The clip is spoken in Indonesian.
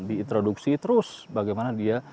di introduksi terus bagaimana dia